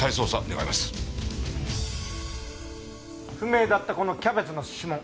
不明だったこのキャベツの指紋